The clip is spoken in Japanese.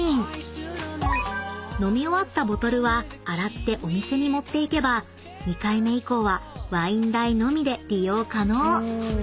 ［飲み終わったボトルは洗ってお店に持っていけば２回目以降はワイン代のみで利用可能］